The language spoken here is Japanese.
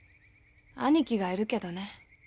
兄貴がいるけどね。